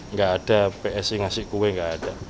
nggak ada psi ngasih kue nggak ada